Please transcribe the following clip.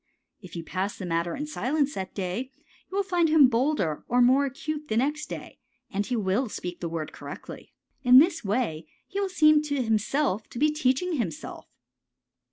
If you pass the matter in silence that day you will find him bolder or more acute the next day, and he will speak the word correctly. In this way he will seem to himself to be teaching himself.